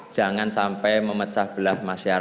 jangan sampai memecah belah masyarakat